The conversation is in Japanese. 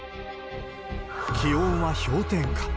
気温は氷点下。